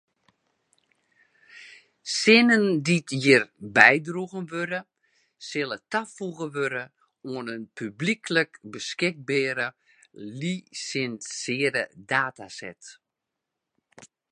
Sinnen dy’t hjir bydroegen wurde sille tafoege wurde oan in publyklik beskikbere lisinsearre dataset.